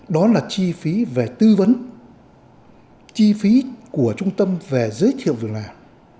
đó là chi phí về tư vấn chi phí của trung tâm về giới thiệu việc làm